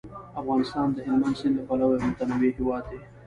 افغانستان د هلمند سیند له پلوه یو متنوع هیواد دی.